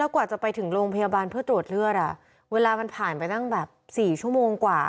กว่าจะไปถึงโรงพยาบาลเพื่อตรวจเลือดเวลามันผ่านไปตั้งแบบ๔ชั่วโมงกว่า